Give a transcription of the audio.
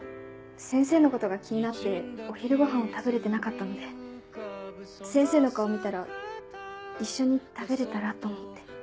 先生のことが気になってお昼ご飯を食べれてなかったので先生の顔見たら一緒に食べれたらと思って。